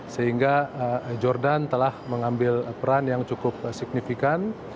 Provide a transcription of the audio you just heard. sehingga jordan telah mengambil peran yang cukup signifikan